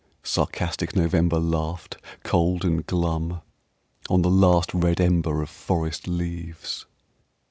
Sarcastic November Laughed cold and glum On the last red ember Of forest leaves.